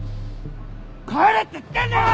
帰れって言ってんだろ！